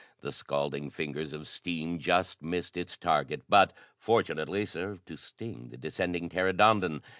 The scalding fingers of steam just missed its target, but fortunately served to sting the descending pteranodon.